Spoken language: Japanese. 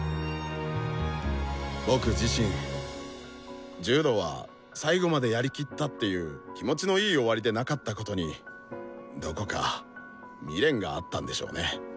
僕自身柔道は「最後までやりきった！」っていう気持ちのいい終わりでなかったことにどこか未練があったんでしょうね。